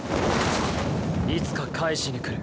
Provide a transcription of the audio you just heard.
いつか返しに来る。